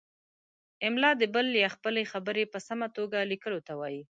املاء د بل یا خپلې خبرې په سمه توګه لیکلو ته وايي.